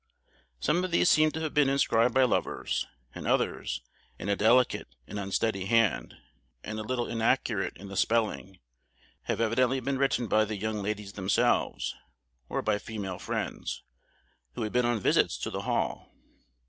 Some of these seem to have been inscribed by lovers; and others, in a delicate and unsteady hand, and a little inaccurate in the spelling, have evidently been written by the young ladies themselves, or by female friends, who had been on visits to the Hall.